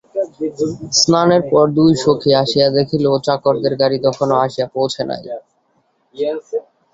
স্নানের পর দুই সখী আসিয়া দেখিল, চাকরদের গাড়ি তখনো আসিয়া পৌঁছে নাই।